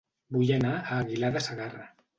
Vull anar a Aguilar de Segarra